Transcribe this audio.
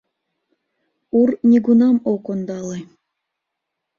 Ур нигунам ок ондале.